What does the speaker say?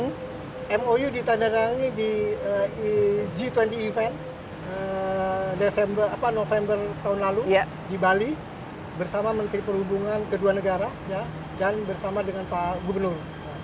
kemudian mou ditandatangani di g dua puluh event november tahun lalu di bali bersama menteri perhubungan kedua negara dan bersama dengan pak gubernur